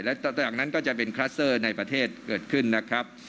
และจากนั้นก็จะเป็นคลัสเตอร์ในประเทศเกิดขึ้นนะครับ